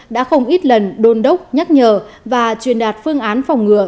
đã không ít lần đôn đốc nhắc nhở và truyền đạt phương án phòng ngừa